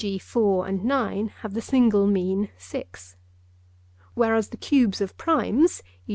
g. 4 and 9 have the single mean 6), whereas the cubes of primes (e.